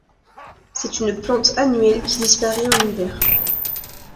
C'est une plante annuelle qui disparait en hiver.